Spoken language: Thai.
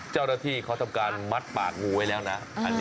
เจ้าหน้าที่เขาทำการมัดปากงูไว้แล้วนะ